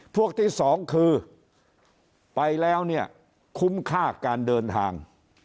พวกที่สองคือไปแล้วเนี่ยคุ้มค่าการเดินทาง